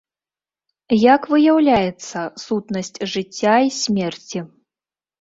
Як выяўляецца сутнасць жыцця і смерці?